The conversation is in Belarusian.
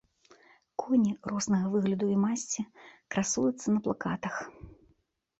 Коні, рознага выгляду і масці, красуюцца на плакатах.